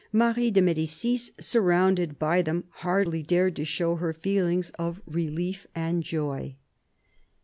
Marie de Medicis, surrounded by them, hardly dared to show her feelings of relief and joy.